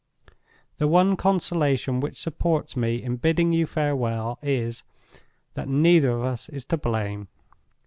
"The one consolation which supports me in bidding you farewell is, that neither of us is to blame.